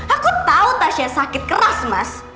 aku tahu tasya sakit keras mas